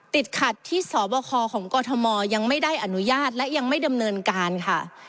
ติดขัดที่สบคของกรทมยังไม่ได้อนุญาตและยังไม่ดำเนินการค่ะ